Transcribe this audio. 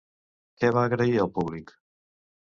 Què va agrair el públic?